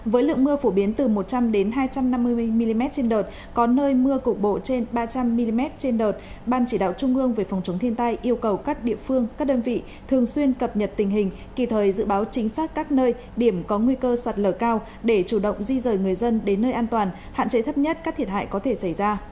với lượng mưa phổ biến từ một trăm linh hai trăm năm mươi mm trên đợt có nơi mưa cục bộ trên ba trăm linh mm trên đợt ban chỉ đạo trung ương về phòng chống thiên tai yêu cầu các địa phương các đơn vị thường xuyên cập nhật tình hình kỳ thời dự báo chính xác các nơi điểm có nguy cơ sạt lở cao để chủ động di rời người dân đến nơi an toàn hạn chế thấp nhất các thiệt hại có thể xảy ra